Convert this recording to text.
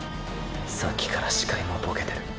さっきから視界もボケてる。